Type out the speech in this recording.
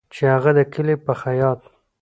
چې هغه د کلي په خیاط